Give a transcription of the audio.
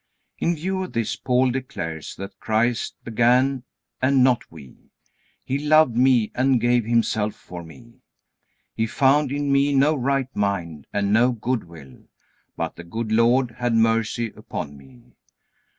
In view of this, Paul declares that Christ began and not we. "He loved me, and gave Himself for me. He found in me no right mind and no good will. But the good Lord had mercy upon me.